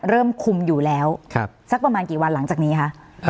เริ่มคุมอยู่แล้วสักประมาณกี่วันหลังจากนี้คะ